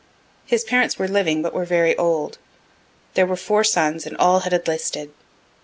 His parents were living, but were very old. There were four sons, and all had enlisted.